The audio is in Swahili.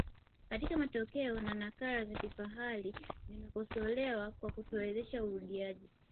katika matokeo na nakala za kifahari zimekosolewa kwa kutowezesha urudiaji